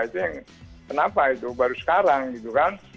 itu yang kenapa itu baru sekarang gitu kan